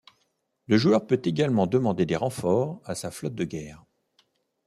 Le joueur peut également demander des renforts à sa flotte de guerre.